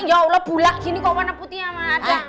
ya allah bulak gini kok warna putihnya sama ada